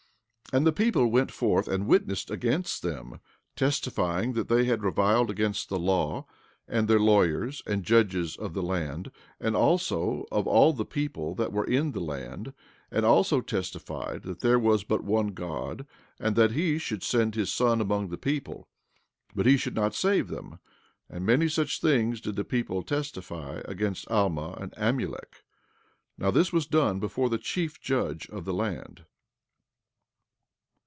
14:5 And the people went forth and witnessed against them—testifying that they had reviled against the law, and their lawyers and judges of the land, and also of all the people that were in the land; and also testified that there was but one God, and that he should send his Son among the people, but he should not save them; and many such things did the people testify against Alma and Amulek. Now this was done before the chief judge of the land.